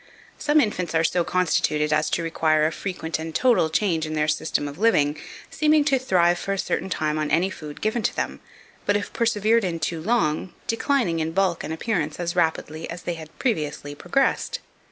Some infants are so constituted as to require a frequent and total change in their system of living, seeming to thrive for a certain time on any food given to them, but if persevered in too long, declining in bulk and appearance as rapidly as they had previously progressed.